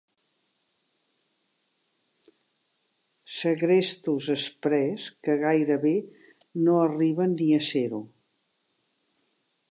Segrestos exprés que gairebé no arriben ni a ser-ho.